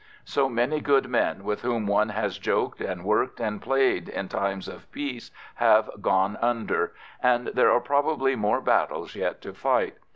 So many good men with whom one has joked and worked and played in time of peace have gone under and there are probably more battles yet to fight.